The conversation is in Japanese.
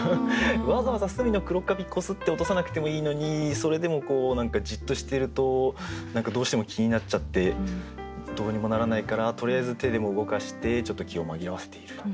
わざわざ隅の黒かび擦って落とさなくてもいいのにそれでも何かじっとしてると何かどうしても気になっちゃってどうにもならないからとりあえず手でも動かしてちょっと気を紛らわせている。